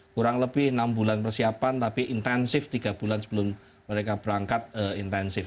kurang lebih enam bulan persiapan tapi intensif tiga bulan sebelum mereka berangkat intensif